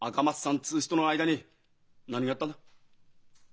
っつう人の間に何があったんだ？